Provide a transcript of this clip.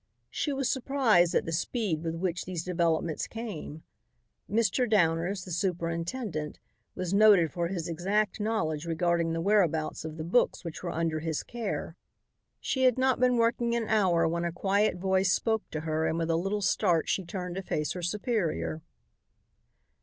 She was surprised at the speed with which these developments came. Mr. Downers, the superintendent, was noted for his exact knowledge regarding the whereabouts of the books which were under his care. She had not been working an hour when a quiet voice spoke to her and with a little start she turned to face her superior.